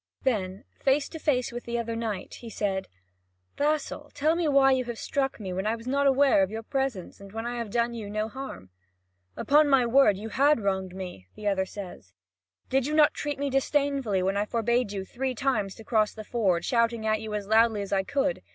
Then face to face with the other knight, he said: "Vassal, tell me why you have struck me, when I was not aware of your presence, and when I had done you no harm." "Upon my word, you had wronged me," the other says: "did you not treat me disdainfully when I forbade you three times to cross the ford, shouting at you as loudly as I could?